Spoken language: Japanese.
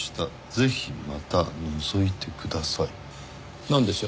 「ぜひまた覗いてください」なんでしょう？